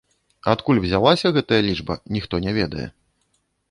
Адкуль узялася гэтая лічба, ніхто не ведае.